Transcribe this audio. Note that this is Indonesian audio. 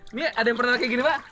ini ada yang pernah kayak gini pak